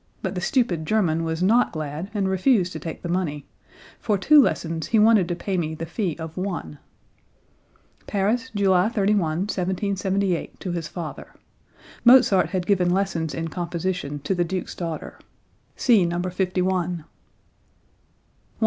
But the stupid German was not glad and refused to take the money. For two lessons he wanted to pay me the fee of one." (Paris, July 31, 1778, to his father. Mozart had given lessons in composition to the Duke's daughter. See No. 51.) 111.